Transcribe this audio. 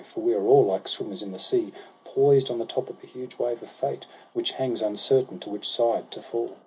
For we are all, like swimmers in the sea, Poised on the top of a huge wave of fate, Which hangs uncertain to which side to fall.